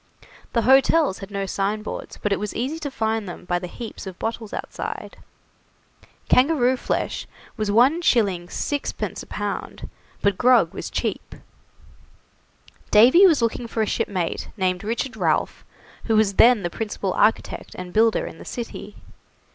The hotels had no signboards, but it was easy to find them by the heaps of bottles outside. Kangaroo flesh was 1s. 6d. a pound, but grog was cheap. Davy was looking for a shipmate named Richard Ralph, who was then the principal architect and builder in the city.